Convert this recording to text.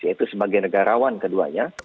yaitu sebagai negarawan keduanya